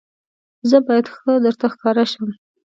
زه باید ښه درته ښکاره شم.